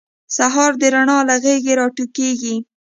سهار د رڼا له غیږې راټوکېږي.